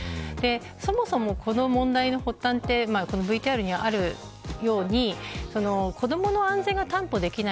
そもそもこの問題の発端はＶＴＲにあるように子どもの安全が担保できない。